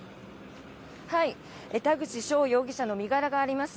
田口翔容疑者の身柄があります